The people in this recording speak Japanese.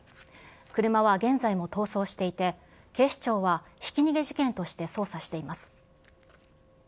車は現在も逃走していて、警視庁はひき逃げ事件として捜査しています。